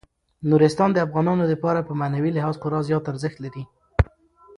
نورستان د افغانانو لپاره په معنوي لحاظ خورا زیات ارزښت لري.